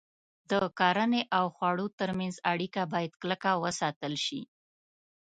د کرنې او خوړو تر منځ اړیکه باید کلکه وساتل شي.